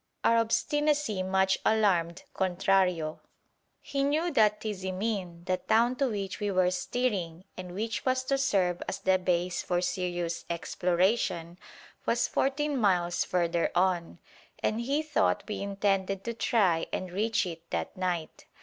Our obstinacy much alarmed Contrario. He knew that Tizimin, the town to which we were steering and which was to serve as the base for serious exploration, was fourteen miles further on, and he thought we intended to try and reach it that night.